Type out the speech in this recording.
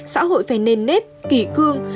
xã hội phải nền nếp kỷ cương